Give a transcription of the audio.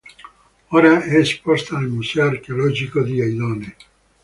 Ora è esposta al museo archeologico di Aidone.